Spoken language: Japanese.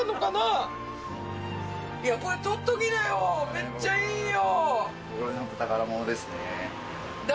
めっちゃいいよ。